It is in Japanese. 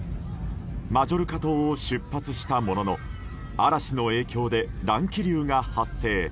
マジョルカ島を出発したものの嵐の影響で乱気流が発生。